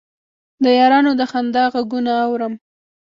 د یارانو د خندا غـــــــــــــــــږونه اورم